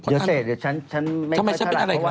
เดี๋ยวเศษเดี๋ยวฉันไม่เคยเท่าไหร่เพราะว่าทำไมฉันเป็นอะไร